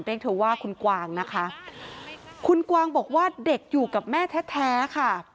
เรียกเธอว่าคุณกวางนะคะคุณกวางบอกว่าเด็กอยู่กับแม่แท้แท้ค่ะ